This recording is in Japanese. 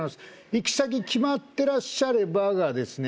「行き先きまってらっしゃれば」がですね